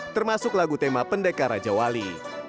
termasuk lagu tema pendekar raja wali